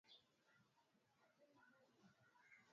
mafuta duniani na kupanda kwa gharama kote duniani